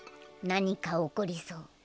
何か起こりそう。